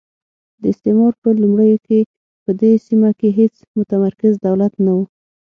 د استعمار په لومړیو کې په دې سیمه کې هېڅ متمرکز دولت نه وو.